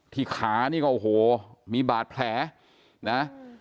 ขานี่ก็โอ้โหมีบาดแผลนะ